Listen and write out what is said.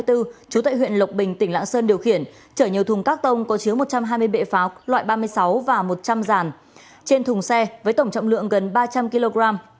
trú tại huyện lộc bình tỉnh lạng sơn điều khiển chở nhiều thùng các tông có chứa một trăm hai mươi bệ pháo loại ba mươi sáu và một trăm linh ràn trên thùng xe với tổng trọng lượng gần ba trăm linh kg